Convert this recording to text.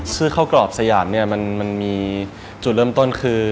ข้าวกรอบสยามเนี่ยมันมีจุดเริ่มต้นคือ